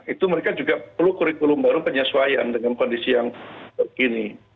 itu mereka juga perlu kurikulum baru penyesuaian dengan kondisi yang begini